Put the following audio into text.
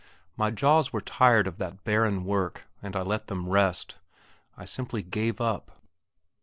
My jaws were tired of that barren work, and I let them rest. I simply gave up.